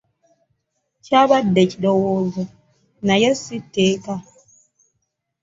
Kyabadde kirowoozo naye si tteeka.